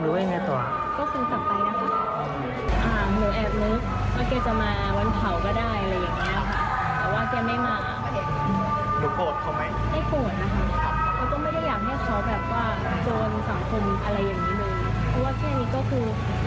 รู้สึกว่าเกรย์คงจะโดนนับอยู่